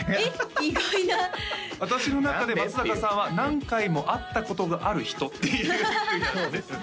意外な私の中で松阪さんは何回も会ったことがある人っていうそうですね